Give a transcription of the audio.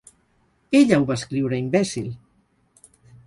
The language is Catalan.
Ella ho va escriure, imbècil.